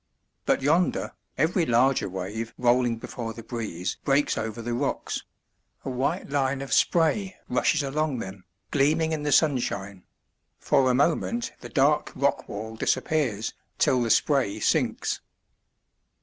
But yonder, every larger wave rolling before the breeze breaks over the rocks; a white line of spray rushes along them, gleaming in the sunshine; for a moment the dark rock wall disappears, till the spray sinks.